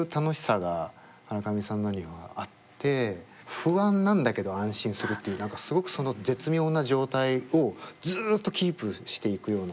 不安なんだけど安心するっていう何かすごく絶妙な状態をずっとキープしていくような。